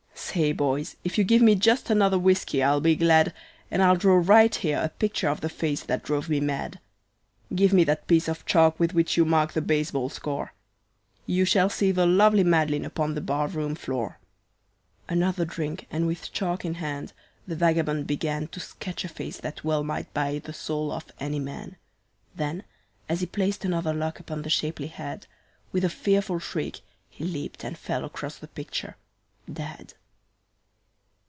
"Say, boys, if you give me just another whiskey I'll be glad, And I'll draw right here a picture of the face that drove me mad. Give me that piece of chalk with which you mark the baseball score You shall see the lovely Madeline upon the barroon floor." Another drink, and with chalk in hand, the vagabond began To sketch a face that well might buy the soul of any man. Then, as he placed another lock upon the shapely head, With a fearful shriek, he leaped and fell across the picture dead.